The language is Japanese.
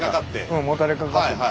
うんもたれかかって。